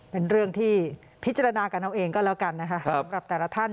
เป็นเรื่องที่พิจารณากันเอาเองก็แล้วกันนะคะสำหรับแต่ละท่าน